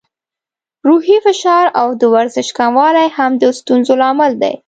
روحي فشار او د ورزش کموالی هم د ستونزو لامل دی.